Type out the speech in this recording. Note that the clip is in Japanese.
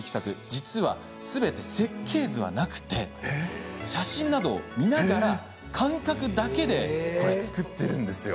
実はこれらすべて設計図はなくて写真などを見ながら感覚だけで作っているんです。